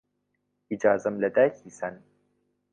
ئیجازەم لە دایکی سەن